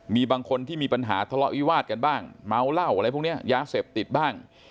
มีบางคนที่มีปัญหาทะเลาะวิวาดกันบ้างเมาเหล้าอะไรพวกนี้ยาเสพติดบ้าง